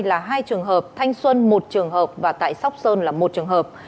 là hai trường hợp thanh xuân một trường hợp và tại sóc sơn là một trường hợp